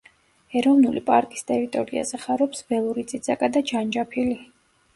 ეროვნული პარკის ტერიტორიაზე ხარობს ველური წიწაკა და ჯანჯაფილი.